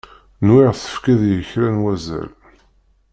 Nwiɣ tefkiḍ-iyi kra n wazal.